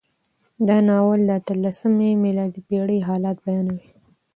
دا ناول د اتلسمې میلادي پېړۍ حالات بیانوي.